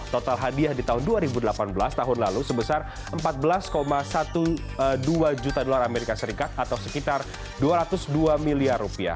total hadiah di tahun dua ribu delapan belas tahun lalu sebesar empat belas dua belas juta dolar amerika serikat atau sekitar dua ratus dua miliar rupiah